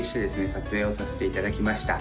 撮影をさせていただきました